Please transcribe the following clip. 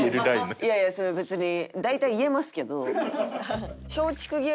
いやいやそれ別に大体言えますけど。